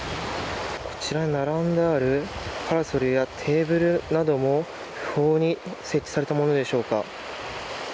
こちらに並んであるパラソルやテーブルなども不法に設置されたものでしょうか。